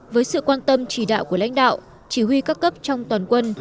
với sự quan tâm chỉ đạo của lãnh đạo chỉ huy các cấp trong toàn quân